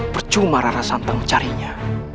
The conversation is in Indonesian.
percuma rara santang mencarinya